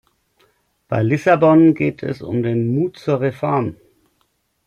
Bei Lissabon geht es um den Mut zur Reform.